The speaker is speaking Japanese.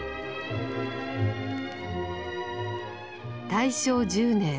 大正１０年。